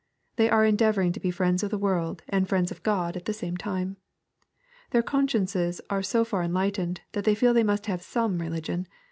They are endeavoring to be friends of the world and friends of God at the same time. Their consciences are so far enlightened, that they feel they must have some religion.